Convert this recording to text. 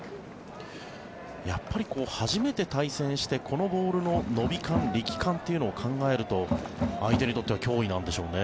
やっぱり初めて対戦してこのボールの伸び感、力感というのを考えると相手にとっては脅威なんでしょうね。